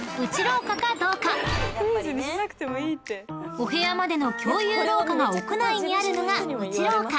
［お部屋までの共有廊下が屋内にあるのが内廊下］